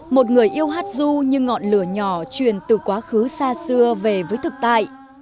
một người yêu hát du như ngọn lửa nhỏ truyền từ quá khứ xa xưa về với thực tại